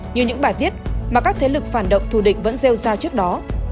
như những bài viết mà các thế lực phản động thù định vẫn rêu ra trước đó